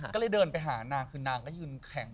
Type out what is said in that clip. ก็เลยเดินไปหานางคือนางก็ยืนแข็ง